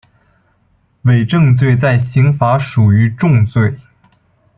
伪证罪在刑法属于重罪。